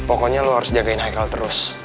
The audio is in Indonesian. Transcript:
pokoknya lo harus jagain hicle terus